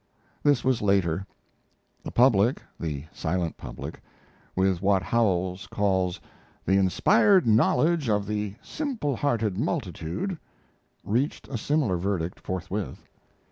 This was later. The public the silent public with what Howells calls "the inspired knowledge of the simple hearted multitude," reached a similar verdict forthwith.